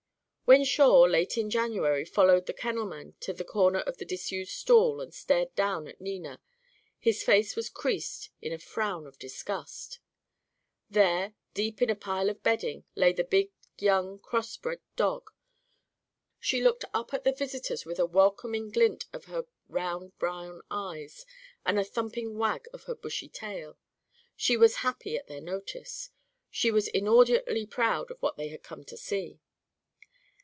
When Shawe, late in January, followed the kennelman into the corner of a disused stall and stared down at Nina, his face was creased in a frown of disgust. There, deep in a pile of bedding, lay the big young cross bred dog. She looked up at the visitors with a welcoming glint of her round brown eyes and a thumping wag of her bushy tail. She was happy at their notice. She was inordinately proud of what they had come to see.